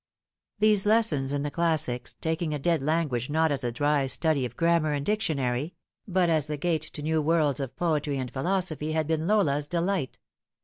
These lessons in the classics, taking a dead language not aa a dry study of grammar arid dictionary, but as the gate to new worlds of poetry and philosophy, had been Lola's delight.